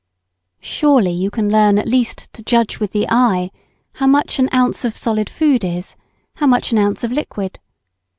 Surely you can learn at least to judge with the eye how much an oz. of solid food is, how much an oz. of liquid.